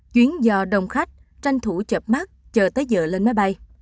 chuyến dò đông khách tranh thủ chập mắt chờ tới giờ lên máy bay